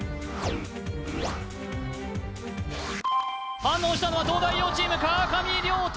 反応したのは東大王チーム川上諒人